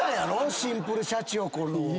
シンプルシャチホコの。